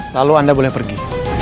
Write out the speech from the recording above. lalu anda boleh pergi